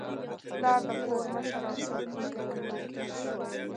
پلار د کور مشر او ساتونکی ګڼل کېږي.